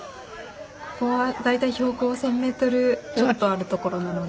ここは大体標高１０００メートルちょっとある所なので。